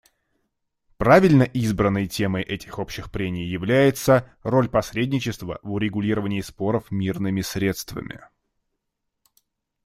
Правильно избранной темой этих общих прений является «Роль посредничества в урегулировании споров мирными средствами».